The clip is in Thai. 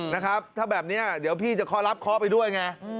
นะครับถ้าแบบนี้เดี๋ยวพี่จะเคาะรับเคาะไปด้วยไง